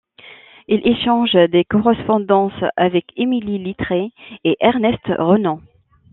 Il échange des correspondances avec Émile Littré et Ernest Renan.